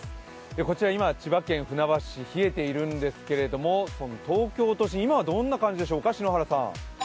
こちら今、千葉県船橋市冷えているんですけれども東京都心、今はどんな感じでしょうか。